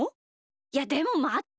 いやでもまって。